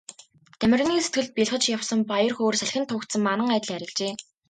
Дамираны сэтгэлд бялхаж явсан баяр хөөр салхинд туугдсан манан адил арилжээ.